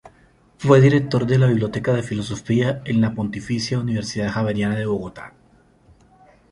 Fue Director de la Biblioteca de Filosofía, en la Pontificia Universidad Javeriana de Bogotá.